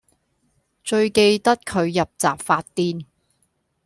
最記得佢入閘發癲